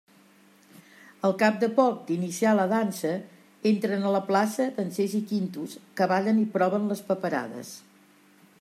Al cap de poc d'iniciar la dansa entren a la plaça dansers i quintos, que ballen i proven les paperades.